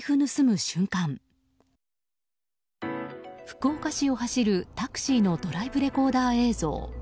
福岡市を走るタクシーのドライブレコーダー映像。